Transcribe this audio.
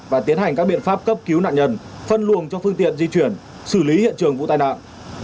và tiến hành các biện pháp cấp cứu nạn nhân phân luồng cho phương tiện di chuyển xử lý hiện trường vụ tai nạn